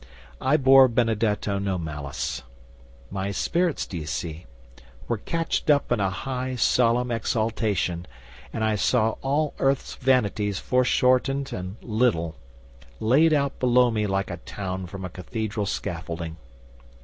I bore Benedetto no malice. My spirits, d'ye see, were catched up in a high, solemn exaltation, and I saw all earth's vanities foreshortened and little, laid out below me like a town from a cathedral scaffolding.